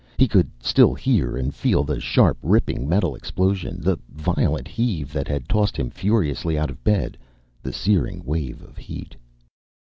He could still hear and feel the sharp, ripping metal explosion, the violent heave that had tossed him furiously out of bed, the searing wave of heat.